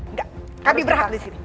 enggak kami berhak di sini